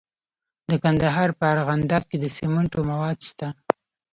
د کندهار په ارغنداب کې د سمنټو مواد شته.